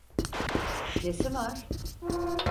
Nesi var?